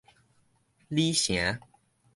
鯉城